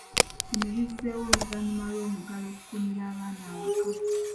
Bino bizzeewo oluvannyuma lw'omuggalo okukuumira abaana awaka.